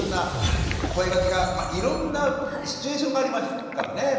声がけがいろんなシチュエーションがありますからね。